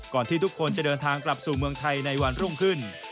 ที่ทุกคนจะเดินทางกลับสู่เมืองไทยในวันรุ่งขึ้น